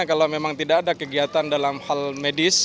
kalau memang tidak ada kegiatan dalam hal medis